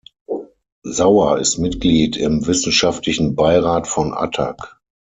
Sauer ist Mitglied im Wissenschaftlichen Beirat von Attac.